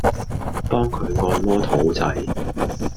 幫佢按摩肚仔